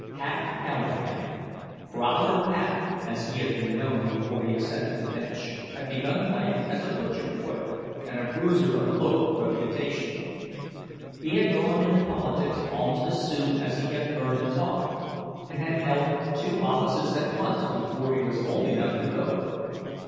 "Pat" Callahan—"Growler" Pat, as he had been known before he ascended the bench—had begun life as a butcher boy and a bruiser of local reputation; he had gone into politics almost as soon as he had learned to talk, and had held two offices at once before he was old enough to vote.